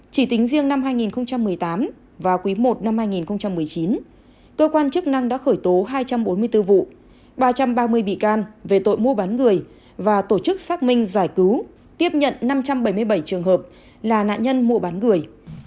chỉ tính riêng năm hai nghìn một mươi tám và quý i năm hai nghìn một mươi chín cơ quan chức năng đã khởi tố hai trăm bốn mươi bốn vụ ba trăm ba mươi bị can về tội mua bán người và tổ chức xác minh giải cứu tiếp nhận năm trăm bảy mươi bảy trường hợp là nạn nhân mua bán người